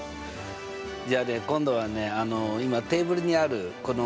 じゃあね今度はねあの今テーブルにあるこのパネルをね